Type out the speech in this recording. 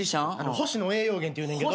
星野栄養源っていうねんけど。